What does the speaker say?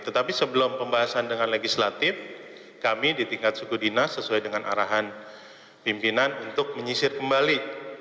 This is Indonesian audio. tetapi sebelum pembahasan dengan legislatif kami di tingkat suku dinas sesuai dengan arahan pimpinan untuk menyisir kembali